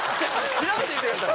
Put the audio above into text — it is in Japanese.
調べてみてください